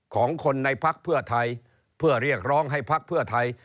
ของคนในพักเพื่อไทยเพื่อเรียกร้องให้พักเพื่อไทย